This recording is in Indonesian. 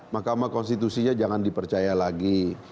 mahkamah konstitusinya jangan dipercaya lagi